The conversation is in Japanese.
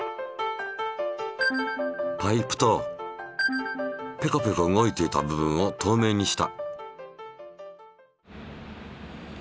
パイプとペコペコ動いていた部分をとうめいにした。